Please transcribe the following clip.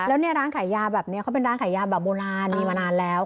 แล้วเนี่ยร้านขายยาแบบนี้เขาเป็นร้านขายยาแบบโบราณมีมานานแล้ว